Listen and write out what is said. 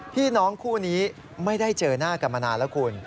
พี่น้องคู่นี้ไม่ได้เจอหน้ากันมานานแล้วคุณ